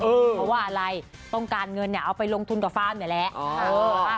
เพราะว่าอะไรต้องการเงินเนี่ยเอาไปลงทุนกับฟาร์มนี่แหละ